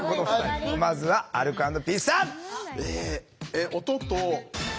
まずはアルコ＆ピースさん！